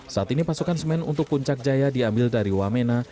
saat ini pasokan semen untuk puncak jaya diambil dari wamena